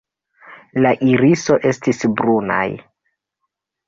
La iriso estis brunaj.